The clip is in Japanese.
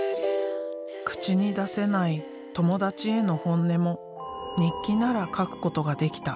口に出せない友達への本音も日記なら書くことができた。